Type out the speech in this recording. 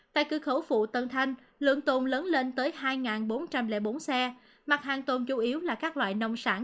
tại cửa khẩu phụ tân thanh lượng tồn lớn lên tới hai bốn trăm linh bốn xe mặt hàng tồn chủ yếu là các loại nông sản